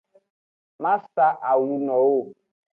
Ma sa awu no wo.